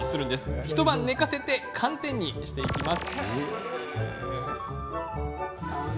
一晩寝かせて寒天にします。